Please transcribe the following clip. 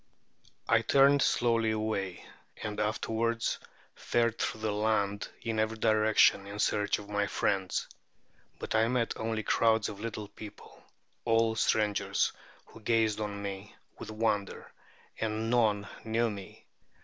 I turned slowly away, and afterwards fared through the land in every direction in search of my friends. But I met only crowds of little people, all strangers, who gazed on me with wonder; and none knew me.